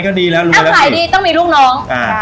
ก็ดีแล้วถูกให้ดีต้องมีลูกน้อง